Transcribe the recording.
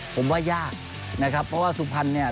ผมว่ายากนะครับเพราะว่าสุพรรณเนี่ย